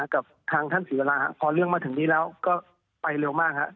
กับทางท่านศิวราษณ์ครับกองเรื่องมาถึงนี้แล้วก็ไปเร็วมากครับ